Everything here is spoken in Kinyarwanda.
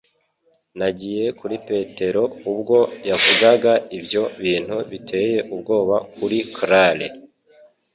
Nagiye kuri Petero ubwo yavugaga ibyo bintu biteye ubwoba kuri Clare